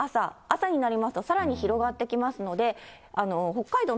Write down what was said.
朝になりますとさらに広がってきますので、北海道